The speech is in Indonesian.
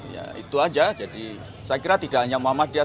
ya itu aja jadi saya kira tidak hanya muhammadiyah